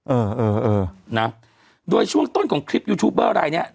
เออเออเออนะโดยช่วงต้นของคลิปยูทูบเบอร์รายเนี้ย